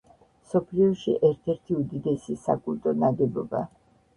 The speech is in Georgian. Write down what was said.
მსოფლიოში ერთ-ერთი უდიდესი საკულტო ნაგებობა.